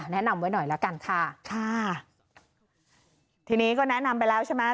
แนะนำไว้หน่อยละกันค่ะค่ะทีนี้ก็แนะนำไปแล้วใช่ไหม